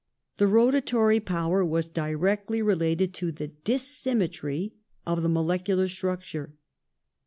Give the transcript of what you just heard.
The rotary power was directly re lated to the dissymmetry of the molecular structure.